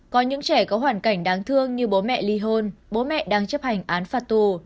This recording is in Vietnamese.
có những trẻ có hoàn cảnh đáng thương như bố mẹ ly hôn bố mẹ đang chấp hành án phạt tù